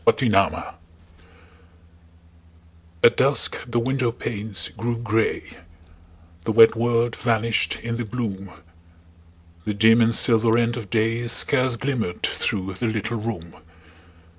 FORGIVENESS At dusk the window panes grew grey; The wet world vanished in the gloom; The dim and silver end of day Scarce glimmered through the little room.